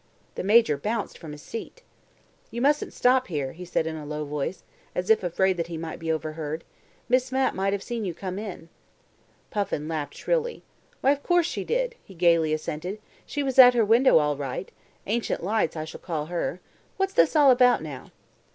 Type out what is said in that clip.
The Major bounced from his seat. "You mustn't stop here," he said in a low voice, as if afraid that he might be overhead. "Miss Mapp may have seen you come in." Puffin laughed shrilly. "Why, of course she did," he gaily assented. "She was at her window all right. Ancient Lights, I shall call her. What's this all about now?"